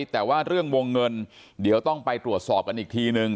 แต่ว่าเรื่องวงเงินเดี๋ยวต้องไปตรวจสอบกันอีกทีนึง